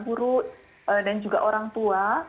guru dan juga orang tua